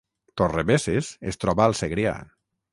Torrebesses es troba al Segrià